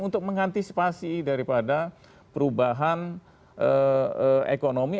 untuk mengantisipasi daripada perubahan ekonomi